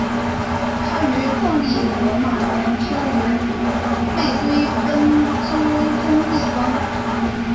他于藏历火马年生于卫堆奔珠宗地方。